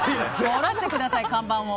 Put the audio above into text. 下ろしてください、看板を。